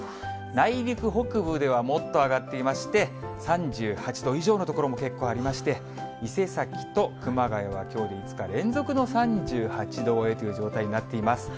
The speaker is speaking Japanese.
内陸北部ではもっと上がっていまして、３８度以上の所も結構ありまして、伊勢崎と熊谷はきょうで５日連続の３８度超えという状態になっています。